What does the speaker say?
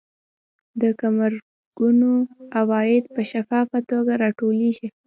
د ګمرکونو عواید په شفافه توګه راټولیږي.